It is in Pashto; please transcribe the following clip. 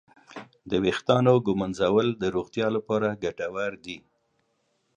د ویښتانو ږمنځول د روغتیا لپاره ګټور دي.